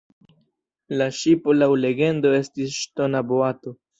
La ŝipo laŭ legendo estis “ŝtona boato”.